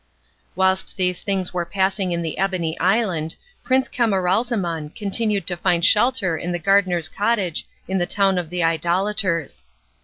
Whilst these things were passing in the Ebony Island Prince Camaralzaman continued to find shelter in the gardeners cottage in the town of the idolaters.